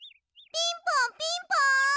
ピンポンピンポン！